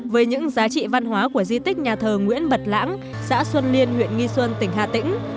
với những giá trị văn hóa của di tích nhà thờ nguyễn bật lãng xã xuân liên huyện nghi xuân tỉnh hà tĩnh